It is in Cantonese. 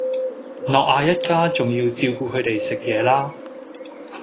諾亞一家仲要照顧佢哋食嘢啦